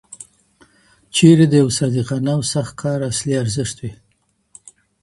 چيري د یوه صادقانه او سخت کار اصلي ارزښت وي؟